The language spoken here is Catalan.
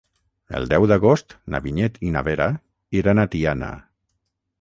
El deu d'agost na Vinyet i na Vera iran a Tiana.